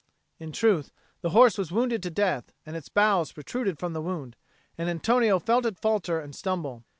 In truth the horse was wounded to death, and its bowels protruded from the wound; and Antonio felt it falter and stumble.